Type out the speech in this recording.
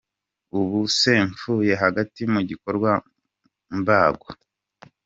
"Ubu se mpfuye hagati mu gikorwa mbagwa?".